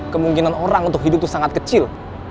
kemungkinan orang untuk hidup itu sangat kecil